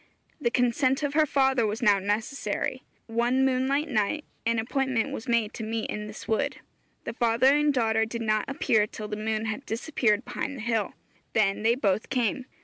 The consent of her father was now necessary. One moonlight night an appointment was made to meet in this wood. The father and daughter did not appear till the moon had disappeared behind the hill. Then they both came.